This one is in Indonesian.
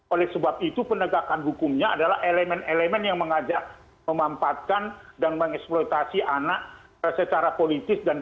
oleh sebab itu penegakan hukumnya adalah elemen elemen yang mengajak memampatkan dan mengeksploitasi anak secara politis